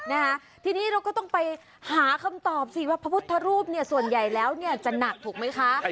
นะคะทีนี้เราก็ต้องไปหาคำตอบสิว่าพระพุทธรูปเนี่ยส่วนใหญ่แล้วเนี่ยจะหนักถูกไหมคะ